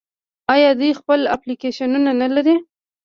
آیا دوی خپل اپلیکیشنونه نلري؟